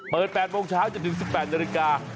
๘โมงเช้าจนถึง๑๘นาฬิกา